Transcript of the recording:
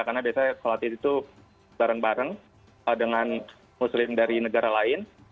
karena biasanya sholat id itu bareng bareng dengan muslim dari negara lain